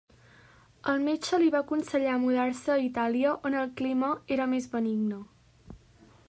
El metge li va aconsellar mudar-se a Itàlia, on el clima era més benigne.